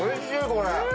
これ。